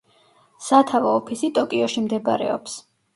სათავო ოფისი ტოკიოში მდებარეობს.